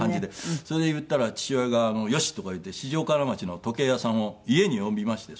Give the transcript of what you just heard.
それで言ったら父親が「よし」とか言って四条河原町の時計屋さんを家に呼びまして。